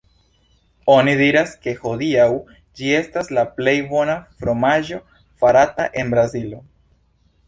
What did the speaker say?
Oni diras ke hodiaŭ ĝi estas la plej bona fromaĝo farata en Brazilo.